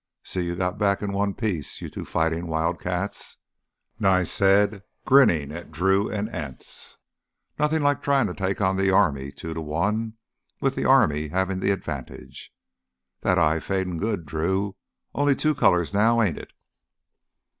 See you got back in one piece, you two fightin' wildcats," Nye said, grinning at Drew and Anse. "Nothin' like tryin' to take on th' army—two to one—with th' army havin' th' advantage. That eye's fadin' good, Drew, only two colors now, ain't it?"